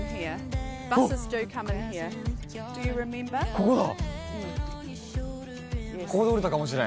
ここだ！